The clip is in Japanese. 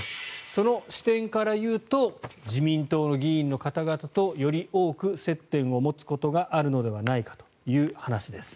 その視点から言うと自民党の議員の方々とより多く接点を持つことがあるのではないかという話です。